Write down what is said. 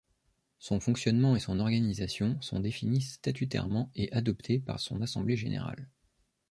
Son fonctionnement et son organisation sont définis statutairement et adoptés par son assemblée générale.